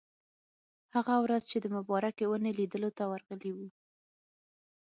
هغه ورځ چې د مبارکې ونې لیدلو ته ورغلي وو.